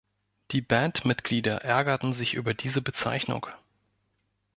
Die Bandmitglieder ärgerten sich über diese Bezeichnung.